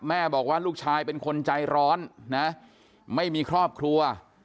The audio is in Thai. แม่บอกว่าลูกชายเป็นคนใจร้อนนะไม่มีครอบครัว